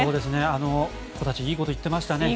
あの子たちいいこと言ってましたね。